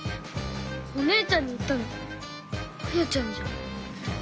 お姉ちゃんに言ったのあやちゃんじゃん。